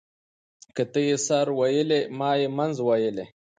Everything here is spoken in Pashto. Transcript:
ـ که تا يې سر ويلى ما يې منځ ويلى.